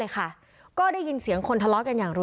ประตู๓ครับ